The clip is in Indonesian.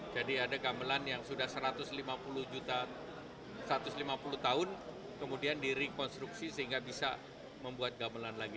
jadi ada gamelan yang sudah satu ratus lima puluh tahun kemudian direkonstruksi sehingga bisa membuat gamelan lagi